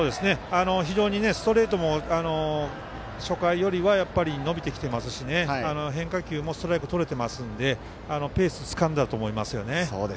非常にストレートも初回よりは、やっぱり伸びてきてますし変化球もストライクとれていますしペースつかんだと思いますね。